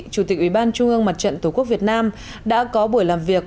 chủ tịch ủy ban trung ương mặt trận tổ quốc việt nam đã có buổi làm việc